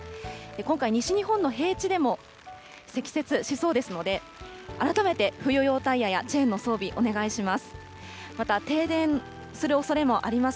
今回、西日本の平地でも積雪しそうですので、改めて冬用タイヤやチェーンの装備、お願いします。